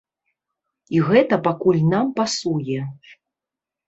І гэта пакуль нам пасуе.